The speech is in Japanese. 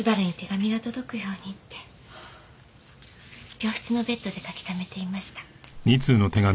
病室のベッドで書きためていました。